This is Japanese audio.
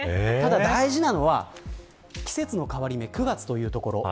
大事なのは、季節の変わり目９月というところ。